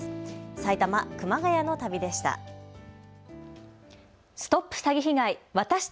埼玉、熊谷の旅でした。